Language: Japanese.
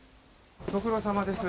ご苦労さまです。